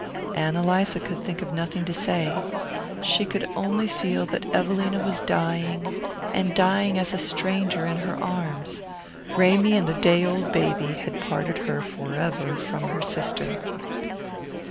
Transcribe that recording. Ann Eliza could think of nothing to say; she could only feel that Evelina was dying, and dying as a stranger in her arms. Ramy and the day old baby had parted her forever from her sister.